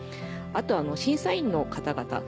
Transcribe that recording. あとは審査員の方々。